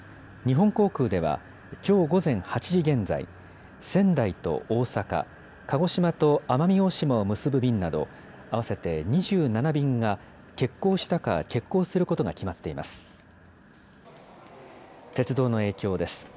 日本航空では、きょう午前８時現在、仙台と大阪、鹿児島と奄美大島を結ぶ便など、合わせて２７便が欠航したか欠航することが決まっています。